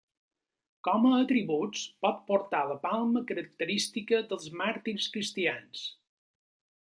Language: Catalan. Com a atributs pot portar la palma característica dels màrtirs cristians.